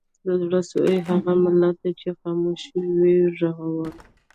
د زړه سوي هغه ملت دی چي خاموش یې وي ږغونه